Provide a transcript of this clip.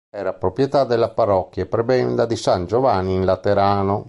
Era proprietà della parrocchia e prebenda di San Giovanni in Laterano.